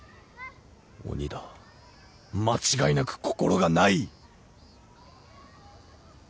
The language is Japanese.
鬼だ間違いなく心がない！